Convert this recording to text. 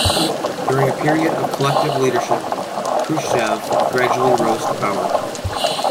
During a period of collective leadership, Khrushchev gradually rose to power.